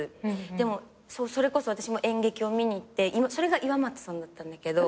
でもそれこそ私も演劇を見に行ってそれが岩松さんだったんだけど。